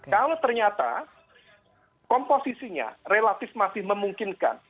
kalau ternyata komposisinya relatif masih memungkinkan